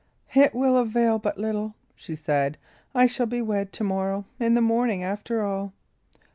"It will avail but little," she said. "I shall be wed to morrow, in the morning, after all!"